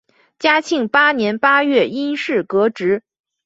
嘉庆八年八月因事革职。